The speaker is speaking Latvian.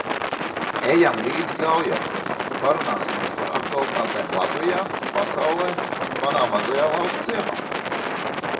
Ejam līdz Gaujai, parunājamies par aktualitātēm Latvijā, pasaulē, manā mazajā lauku ciemā.